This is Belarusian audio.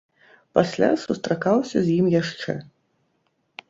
Пасля сустракаўся з ім яшчэ.